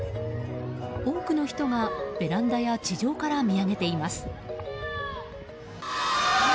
多くの人がベランダや地上から見上げています。